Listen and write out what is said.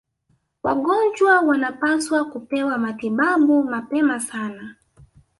Wagonjwa wanapaswa kupewa matibabu mapema sana